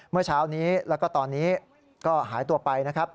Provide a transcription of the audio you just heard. เมื่อเช้านี้แล้วก็ตอนนี้ก็หายตัวไปนะครับ